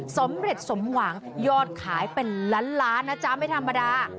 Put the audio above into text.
สำเร็จสมหวังยอดขายเป็นล้านล้านนะจ๊ะไม่ธรรมดา